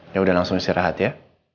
ya udah langsung istirahat ya